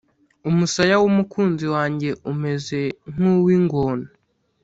umusaya w’umukunzi wanjye umeze nku wingona